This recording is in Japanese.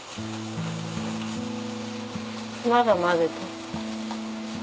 まだ混ぜる？